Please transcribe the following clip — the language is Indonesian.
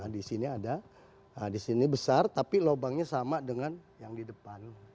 di sini ada di sini besar tapi lubangnya sama dengan yang di depan